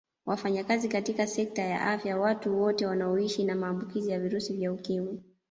Wafanyakazi katika sekta ya afya Watu wote wanaoishi na maambukizi ya virusi vya Ukimwi